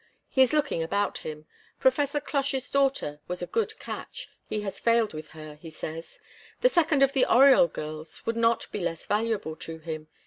He is looking about him. Professor Cloche's daughter was a good catch he has failed with her, he says. The second of the Oriol girls would not be less valuable to him.